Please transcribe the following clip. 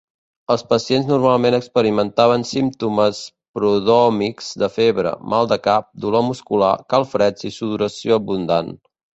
Els pacients normalment experimentaven símptomes prodròmics de febre, mal de cap, dolor muscular, calfreds i sudoració abundant.